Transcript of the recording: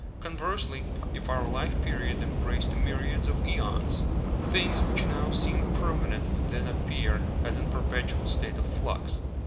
Conversely, if our life period embraced myriads of æons, things which now seem permanent would then appear as in a perpetual state of flux.